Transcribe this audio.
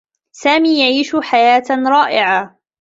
سامي يعيش حياة رائعة.